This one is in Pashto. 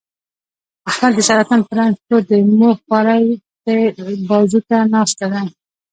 احمد د سرطان په رنځ پروت دی، مور خواره یې تل بازوته ناسته ده.